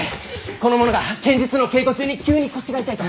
この者が剣術の稽古中に急に腰が痛いと。